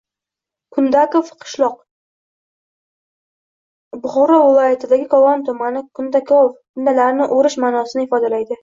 Kundakov - qishloq, Buxoro viloyatining Kogon tumani. Kundakov - «kundalarni o‘rish» ma’nosini ifodalaydi.